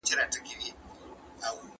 ایا مسلکي بڼوال وچ زردالو ساتي؟